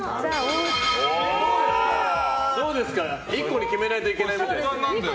どうですか、１個に決めないといけないみたいです。